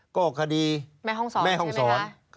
ก็คดีแม่ธงศรใช่ไหมครับ